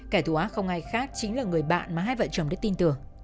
kẻ thù ác không ai khác chính là người bạn mà hai vợ chồng đã tin tưởng